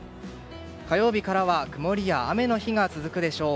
火曜日からは曇りや雨の日が続くでしょう。